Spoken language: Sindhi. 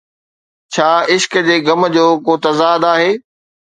ڇا عشق جي غم جو ڪو تضاد آهي؟